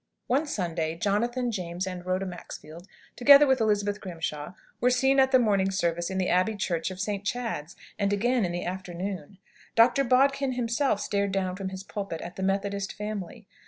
One Sunday, Jonathan, James, and Rhoda Maxfield, together with Elizabeth Grimshaw, were seen at the morning service in the abbey church of St. Chad's, and again in the afternoon. Dr. Bodkin himself stared down from his pulpit at the Methodist family.